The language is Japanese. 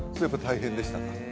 大変でした